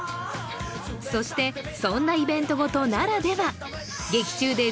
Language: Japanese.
そしてそんなイベントごとならでは劇中で